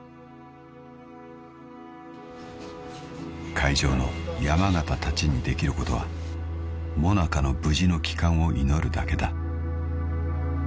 ［海上の山縣たちにできることはＭＯＮＡＣＡの無事の帰還を祈るだけだ］